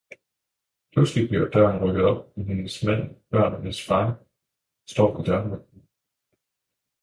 Pludselig bliver døren rykket op, og hendes mand, børnenes far, står i døråbningen.